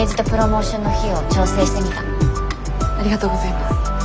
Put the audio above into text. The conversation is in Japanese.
ありがとうございます。